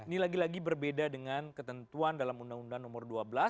ini lagi lagi berbeda dengan ketentuan dalam undang undang nomor dua belas